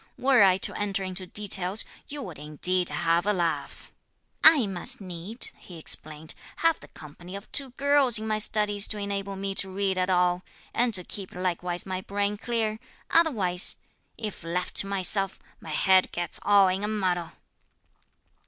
Were I to enter into details, you would indeed have a laugh. 'I must needs,' he explained, 'have the company of two girls in my studies to enable me to read at all, and to keep likewise my brain clear. Otherwise, if left to myself, my head gets all in a muddle.'